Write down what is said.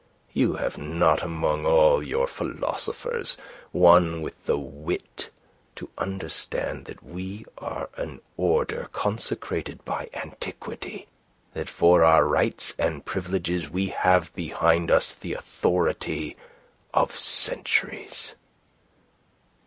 You have not among all your philosophers one with the wit to understand that we are an order consecrated by antiquity, that for our rights and privileges we have behind us the authority of centuries."